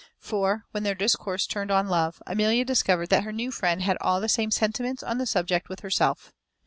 For, when their discourse turned on love, Amelia discovered that her new friend had all the same sentiments on that subject with herself.